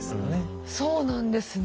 そうなんです。